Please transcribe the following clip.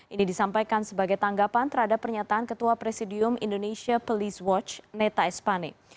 ini disampaikan sebagai tanggapan terhadap pernyataan ketua presidium indonesia police watch neta espane